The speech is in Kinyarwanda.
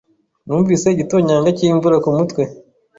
Numvise igitonyanga cyimvura kumutwe.